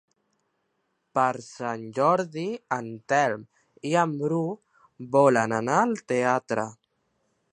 Per Sant Jordi en Telm i en Bru volen anar al teatre.